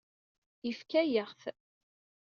Yefka-yaɣ-t.